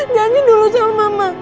jangan dulu salah mama